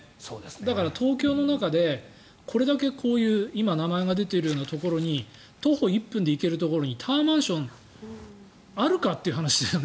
だから東京の中でこれだけ今名前が出ているようなところの中に徒歩１分で行けるところにタワーマンションがあるかという話だよね。